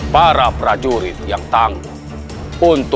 para prajurit yang tangguh